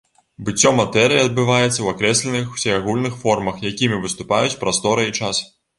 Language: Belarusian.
Быццё матэрыі адбываецца ў акрэсленых усеагульных формах, якімі выступаюць прастора і час.